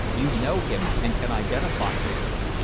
You know him, and can identify him.